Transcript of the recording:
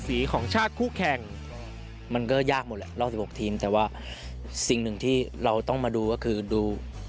สิ่งหนึ่งที่เราต้องมาดูก็คือดู